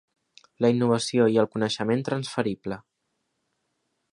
La innovació i el coneixement transferible.